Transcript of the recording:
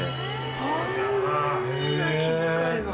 そんな気遣いが。